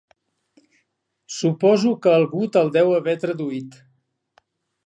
Suposo que algú te'l deu haver traduït.